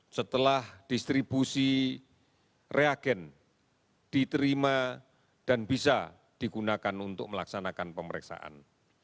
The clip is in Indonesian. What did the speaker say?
setelah distribusi reagen diterima dan bisa digunakan untuk melaksanakan pemeriksaan